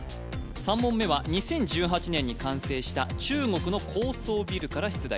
３問目は２０１８年に完成した中国の高層ビルから出題